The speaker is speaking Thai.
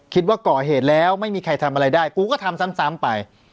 คิดว่าก่อเหตุแล้วไม่มีใครทำอะไรได้กูก็ทำซ้ำไป